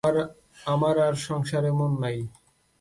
আমার আর সংসারে মন নাই।